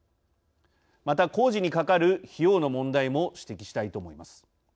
また工事にかかる費用の問題も指摘したいと思います。